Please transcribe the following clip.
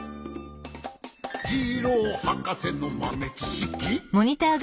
「ジローはかせのまめちしき！」